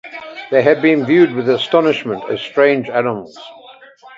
They had been viewed with astonishment as strange animals.